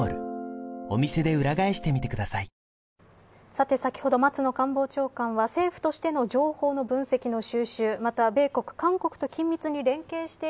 さて、先ほど松野官房長官は政府としての情報の分析の収集また米国、韓国と緊密に連携して